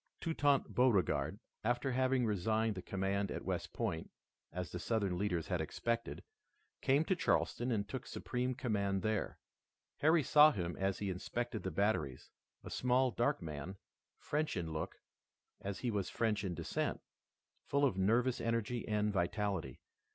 Toutant Beauregard, after having resigned the command at West Point, as the Southern leaders had expected, came to Charleston and took supreme command there. Harry saw him as he inspected the batteries, a small, dark man, French in look, as he was French in descent, full of nervous energy and vitality.